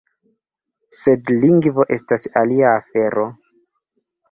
Sed lingvo estas alia afero.